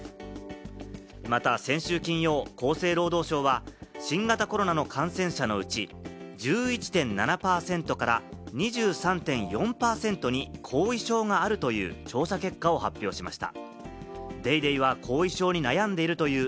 また先週金曜、厚生労働省は新型コロナの感染者のうち、１１．７％から２３．４％に後遺症があるという調査結果を発表しました。